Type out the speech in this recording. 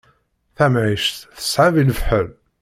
Tamɛict teṣɛeb i lefḥel.